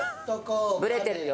ブレてるよ